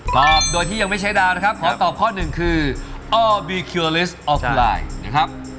ตอบโดยที่ยังไม่ใช้ดาวนะครับขอตอบข้อหนึ่งคือออบีคิวลิสออกูลายนะครับ